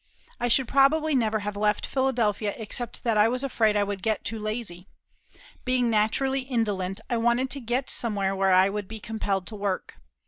I should probably never have left Philadelphia except that I was afraid I would get too lazy. Being naturally indolent I wanted to get somewhere where I would be compelled to work.